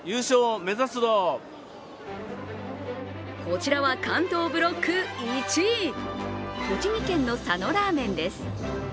こちらは関東ブロック１位、栃木県の佐野ラーメンです。